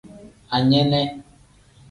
Anene.